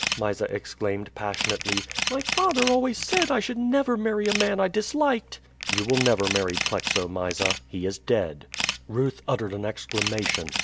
Mysa exclaimed passionately. "My father always said I should never marry a man I disliked." "You will never marry Plexo, Mysa he is dead." Ruth uttered an exclamation.